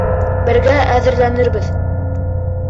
Бергә әҙерләнербеҙ.